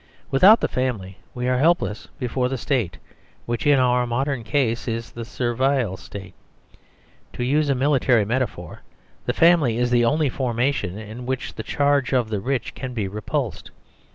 Without the family we are helpless before the State, which in our mod ern case is the Servile State. To use a mili tary metaphor, the family is the only forma tion in which the charge of the rich can be repulsed.